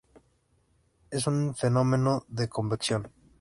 Es un fenómeno de convección.